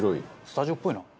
「スタジオっぽいな」